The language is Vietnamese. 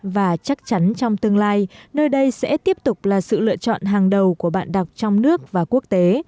và chắc chắn trong tương lai nơi đây sẽ tiếp tục là sự lựa chọn hàng đầu của bạn đọc trong nước và quốc tế